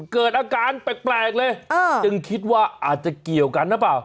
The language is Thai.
เกิดอาการแปลกเลยจึงคิดว่าอาจจะเกี่ยวกันหรือเปล่า